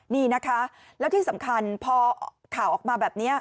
นี่นะคะแล้วที่สำคัญพอข่าวออกมาแบบนี้